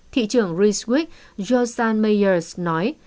thị trưởng rijswijk josan meyers nói